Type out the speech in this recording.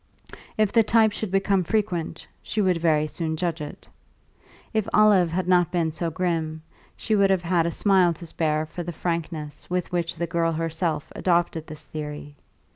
If the type should become frequent, she would very soon judge it. If Olive had not been so grim, she would have had a smile to spare for the frankness with which the girl herself adopted this theory.